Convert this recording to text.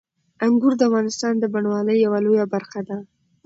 انګور د افغانستان د بڼوالۍ یوه لویه برخه ده.